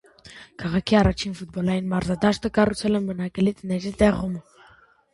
Քաղաքի առաջին ֆուտբոլային մարզադաշտը կառուցվել է բնակելի տների տեղում։